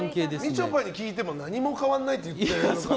みちょぱに聞いても何も変わらないって言ってたから。